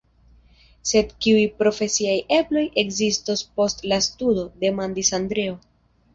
Sed kiuj profesiaj ebloj ekzistos post la studo, demandis Andreo.